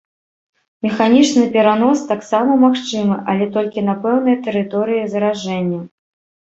Механічны перанос таксама магчымы, але толькі на пэўнай тэрыторыі заражэння.